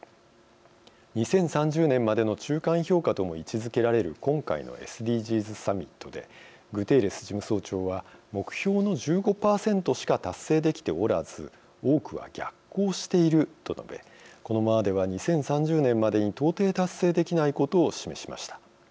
２０３０年までの中間評価とも位置づけられる今回のＳＤＧｓサミットでグテーレス事務総長は「目標の１５％しか達成できておらず多くは逆行している」と述べこのままでは２０３０年までに到底達成できないことを示しました。